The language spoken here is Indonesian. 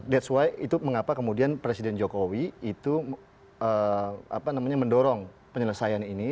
that's why itu mengapa kemudian presiden jokowi itu mendorong penyelesaian ini